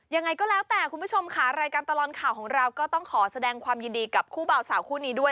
ยังไงก็แล้วแต่คุณผู้ชมค่ะรายการตลอดข่าวของเราก็ต้องขอแสดงความยินดีกับคู่เบาสาวคู่นี้ด้วย